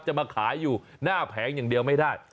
จะมาขายอยู่หน้าแผงอย่างเดียวไม่ได้